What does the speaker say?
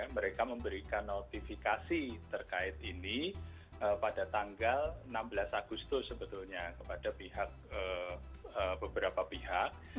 mereka memberikan notifikasi terkait ini pada tanggal enam belas agustus sebetulnya kepada pihak beberapa pihak